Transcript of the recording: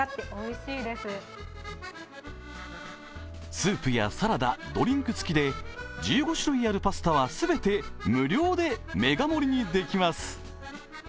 スープやサラダ、ドリンク付きで１５種類ある全て無料でメガ盛りにできます。